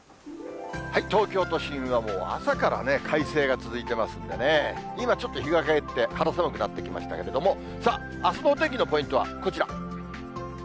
東京都心は、もう朝からね、快晴が続いてますんでね、今ちょっと日が陰って肌寒くなってきましたけれども、さあ、あすのお天気のポイントはこちら。